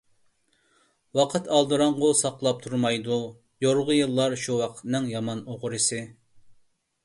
ۋاقىت ئالدىراڭغۇ ساقلاپ تۇرمايدۇ، يورغا يىللار شۇ ۋاقىتنىڭ يامان ئوغرىسى.